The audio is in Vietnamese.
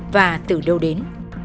và từ đâu đến